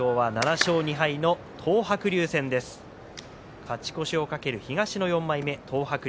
勝ち勝ち越しを懸ける東の４枚目東白龍。